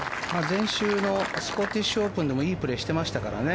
前週のスコティッシュオープンでもいいプレーしてましたからね。